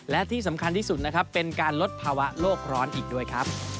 และที่สำคัญที่สุดนะครับเป็นการลดภาวะโลกร้อนอีกด้วยครับ